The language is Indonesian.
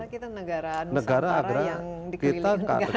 kita negara negara yang dikelilingi